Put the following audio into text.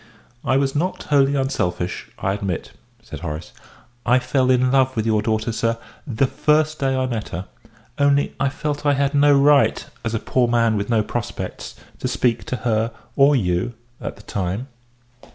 "I was not wholly unselfish, I admit," said Horace. "I fell in love with your daughter, sir, the first day I met her only I felt I had no right, as a poor man with no prospects, to speak to her or you at that time."